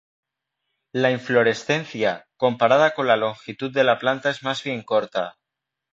La inflorescencia, comparada con la longitud de la planta es más bien corta.